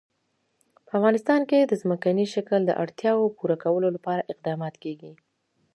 په افغانستان کې د ځمکنی شکل د اړتیاوو پوره کولو لپاره اقدامات کېږي.